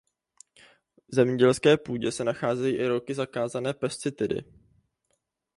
V zemědělské půdě se nacházejí i roky zakázané pesticidy.